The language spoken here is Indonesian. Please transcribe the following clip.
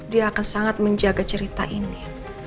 dia akan sangat menjaga cerita ini